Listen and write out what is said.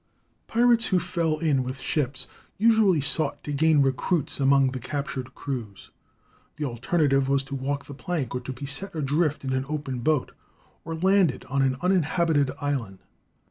Pirates who fell in with ships usually sought to gain recruits among the captured crews. The alternative was to walk the plank or to be set adrift in an open boat, or landed on an uninhabited island.